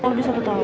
lebih satu tahun